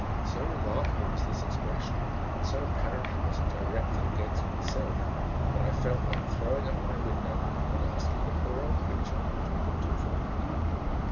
So remarkable was this expression and so apparently was it directed against myself, that I felt like throwing up my window and asking the poor old creature what I could do for her.